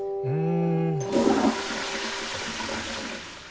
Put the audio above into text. うん。